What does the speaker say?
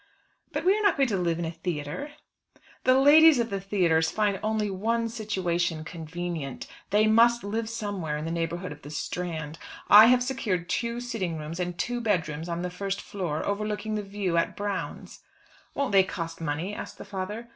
"But we are not going to live in a theatre." "The ladies of the theatres find only one situation convenient. They must live somewhere in the neighbourhood of the Strand. I have secured two sitting rooms and two bedrooms on the first floor, overlooking the views at Brown's." "Won't they cost money?" asked the father.